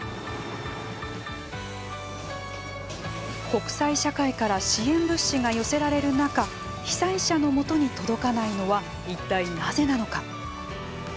国際社会から支援物資が寄せられる中被災者の元に届かないのは一体、なぜなのか。